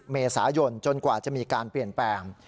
เมษายนจนกว่าจะมีการเปลี่ยนแปลง